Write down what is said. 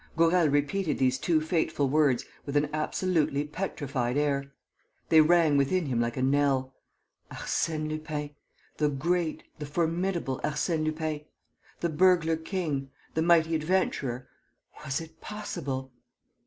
Gourel repeated these two fateful words with an absolutely petrified air. They rang within him like a knell. Arsène Lupin! The great, the formidable Arsène Lupin. The burglar king, the mighty adventurer! Was it possible?